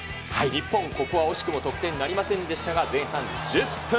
日本ここは惜しくも得点なりませんでしたが、前半１０分。